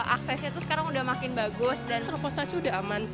aksesnya tuh sekarang udah makin bagus dan propostasi udah aman